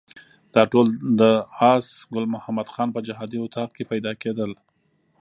دا ټول د آس ګل محمد خان په جهادي اطاق کې پیدا کېدل.